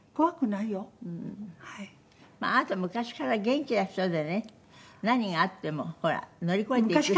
まああなた昔から元気な人でね何があってもほら乗り越えていく人だった。